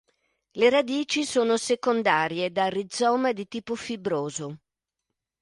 Le radici sono secondarie da rizoma di tipo fibroso.